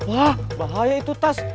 wah bahaya itu tas